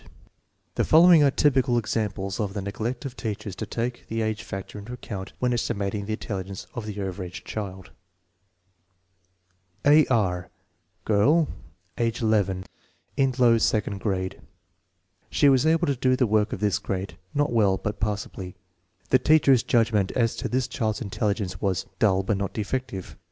SOURCES OP ERROR IN JUDGING 25 The following are typical examples of the neglect of teach ers to take the age factor into account when estimating the intelligence of the over age child: A. R* Girl, age 11; in low second grade. She was able to do the work of this grade, not well, but passably. The teacher's judgment as to this child's intelligence was "dull but not defective."